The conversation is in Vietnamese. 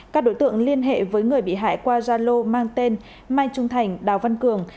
các đối tượng liên hệ với người bị hại qua zalo mang tên mai trung thành đào văn cường